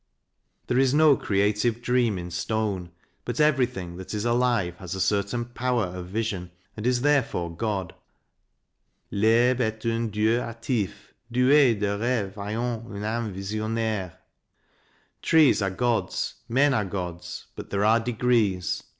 There is no creative dream in stone, but everything that is alive has a certain power of vision and is, therefore, God :" 1'herbe est un Dieu hatif doue* de reve ayant une ame visionnaire." Trees are gods, men are gods but there are degrees.